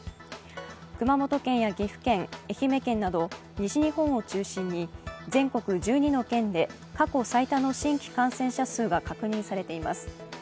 熊本県や岐阜県、愛媛県など西日本を中心に全国１２の県で過去最多の新規感染者が確認されています。